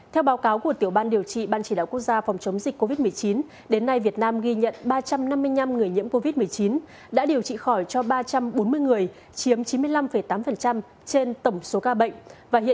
theo báo cáo của tiểu ban điều trị ban chỉ đạo quốc gia phòng chống dịch covid một mươi chín đến nay việt nam ghi nhận ba trăm năm mươi năm người nhiễm covid một mươi chín đã điều trị khỏi cho ba trăm bốn mươi người chiếm chín mươi năm tám trên tổng số ca bệnh